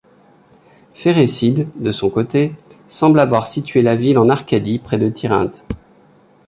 Phérécyde, de son côté, semble avoir situé la ville en Arcadie, près de Tirynthe.